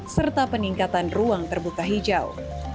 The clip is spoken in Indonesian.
serta peningkatan ruang terbuka hijau